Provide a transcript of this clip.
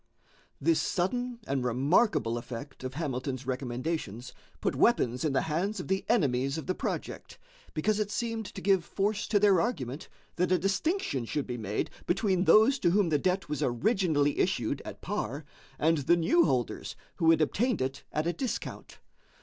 This sudden and remarkable effect of Hamilton's recommendations put weapons in the hands of the enemies of the project, because it seemed to give force to their argument that a distinction should be made between those to whom the debt was originally issued at par and the new holders who had obtained it at a discount.